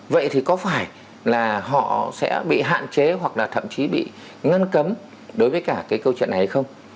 vậy thì có phải là họ sẽ bị hạn chế hoặc là thậm chí bị ngăn cấm đối với cả cái câu chuyện này hay không